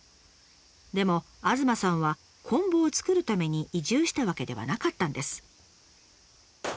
でも東さんはこん棒を作るために移住したわけではなかったんです。